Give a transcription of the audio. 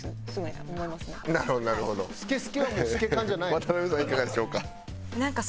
いかがでしょうか？